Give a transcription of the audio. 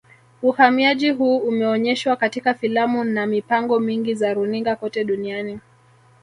Uhamiaji huu umeonyeshwa katika filamu na mipango mingi za runinga kote duniani